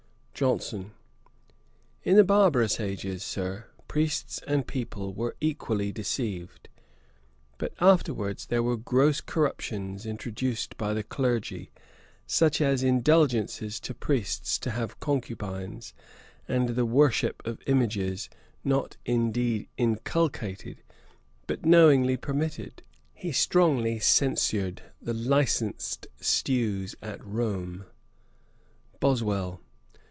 JOHNSON. 'In the barbarous ages, Sir, priests and people were equally deceived; but afterwards there were gross corruptions introduced by the clergy, such as indulgences to priests to have concubines, and the worship of images, not, indeed, inculcated, but knowingly permitted.' He strongly censured the licensed stews at Rome. BOSWELL.